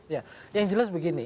ya yang jelas begini